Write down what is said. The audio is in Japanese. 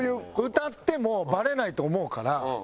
歌ってもバレないと思うから